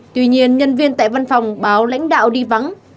tuy nhiên nhân viên tại văn phòng báo lãnh đạo đi vắng